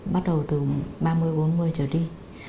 bắt đầu từ ba mươi bốn mươi trở đi